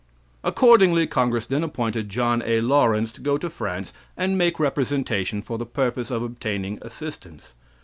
Accordingly, congress then appointed John A. Laurens to go to France and make representation for the purpose of obtaining assistance.